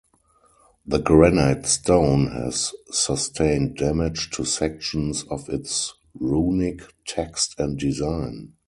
The granite stone has sustained damage to sections of its runic text and design.